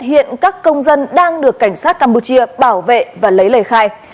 hiện các công dân đang được cảnh sát campuchia bảo vệ và lấy lời khai